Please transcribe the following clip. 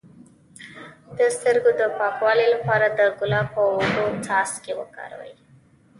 د سترګو د پاکوالي لپاره د ګلاب او اوبو څاڅکي وکاروئ